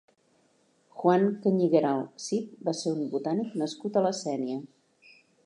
Juan Cañigueral Cid va ser un botànic nascut a la Sénia.